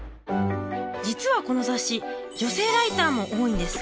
実はこの雑誌女性ライターも多いんです。